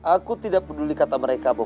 aku tidak peduli kata mereka bahwa